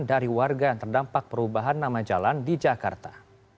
dari warga yang terdampak perubahan nama jalan di jakarta